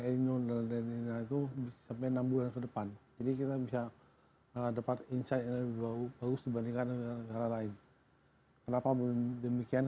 air indonesia sampai enam bulan ke depan jadi kita bisa dapat insight yang lebih bagus dibandingkan negara lain kenapa demikian